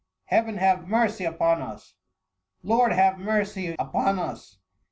Heaven have mercy upon us ! Lord have mercy upon us